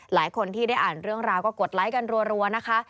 หลายคนที่ได้อ่านเรื่องราวก็กดไลค์กันรัวนะคะ